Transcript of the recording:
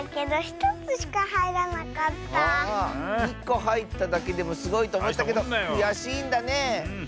１こはいっただけでもすごいとおもったけどくやしいんだね。